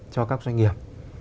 cho các doanh nghiệp